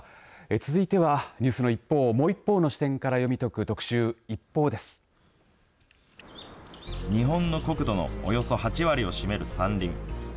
続いてはニュースの一報をもう一方の視点から読み解く日本の国土のおよそ８割を占める山林。